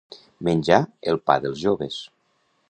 Menjar el pa dels joves.